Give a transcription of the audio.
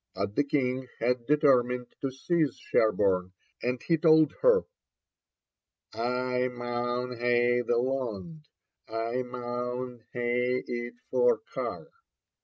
But the King had determined to seize Sherborne, and he told her, 'I maun hae the lond, I maun hae it for Carr.'